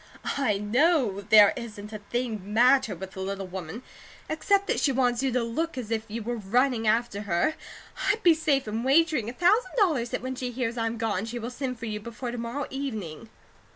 "I KNOW 'there isn't a thing the matter with the little woman,' except that she wants you to look as if you were running after her. I'd be safe in wagering a thousand dollars that when she hears I'm gone, she will send for you before to morrow evening."